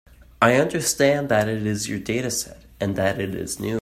I understand that it is your dataset, and that it is new.